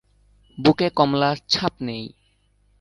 বুকে কমলার ছাপ নেই।